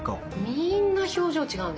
みんな表情違う。